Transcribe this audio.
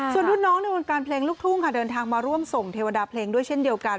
ส่วนรุ่นน้องในวงการเพลงลูกทุ่งค่ะเดินทางมาร่วมส่งเทวดาเพลงด้วยเช่นเดียวกัน